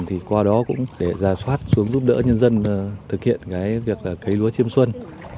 thì qua đó cũng để giả soát xuống giúp đỡ nhân dân thực hiện cái việc cấy lúa chiêm xuân